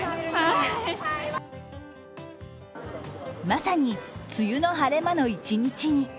まさに梅雨の晴れ間の一日に。